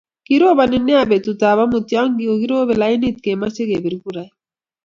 Koroboni nea betut ab amut ya kokirobe lainit kemeche kepir kurait